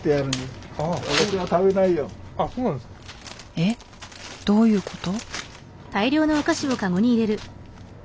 えっどういうこと？